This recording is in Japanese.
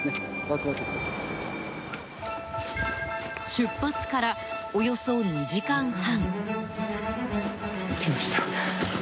出発からおよそ２時間半。